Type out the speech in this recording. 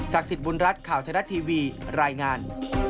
ศักดิ์สิทธิ์บุญรัฐข่าวชนะทีวีรายงาน